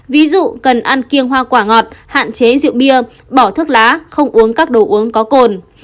ví dụ cần ăn kiêng hoa quả ngọt hạn chế rượu bia bỏ thuốc lá không uống các đồ uống có cồn